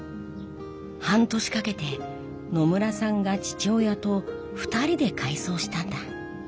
半年かけて野村さんが父親と２人で改装したんだ。